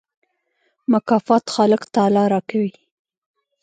مکافات خالق تعالی راکوي.